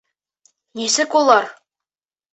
Нисек улар?